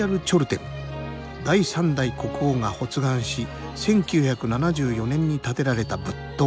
第３代国王が発願し１９７４年に建てられた仏塔。